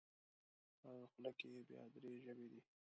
په هره خوله کې یې بیا درې ژبې دي.